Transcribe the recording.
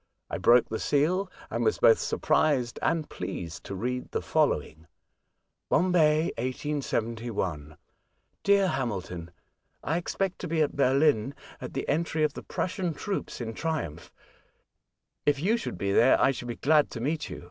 I broke the seal, and was both surprised and pleased to read the following :— 38 A Voyage to Other Worlds. "Bombay, , 1871. " Dear Hamilton, — I expect to be at Berlin at the entry of the Prussian troops in triumph, If you should be there, I should be glad to meet you.